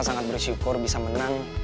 sangat bersyukur bisa menang